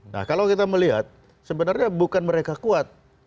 nah kalau kita melihat sebenarnya bukan mereka kuat